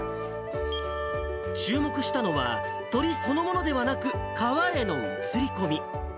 注目したのは、鳥そのものではなく、川への映り込み。